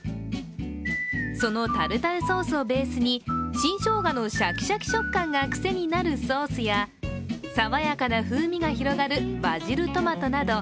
そのタルタルソースをベースに新生姜のシャキシャキ食感がくせになるソースや、爽やかな風味が広がるバジルトマトなど